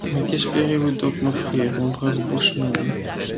Mais qu’espérez-vous donc m’offrir, mon brave bushman?